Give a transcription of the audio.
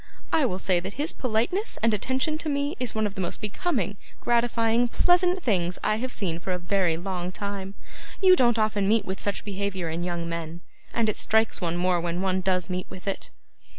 I will say that his politeness and attention to me is one of the most becoming, gratifying, pleasant things I have seen for a very long time. You don't often meet with such behaviour in young men, and it strikes one more when one does meet with it.